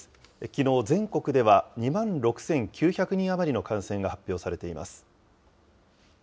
きのう、全国では２万６９００人余りの感染が発表されています。